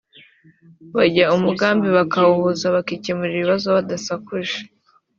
bajya umugambi bakawuhuza bakikemurira ibibazo badasakuje